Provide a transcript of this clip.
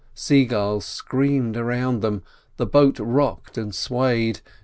Sea gulls screamed around them, the boat rocked and swayed.